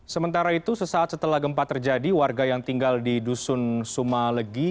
sementara itu sesaat setelah gempa terjadi warga yang tinggal di dusun sumalegi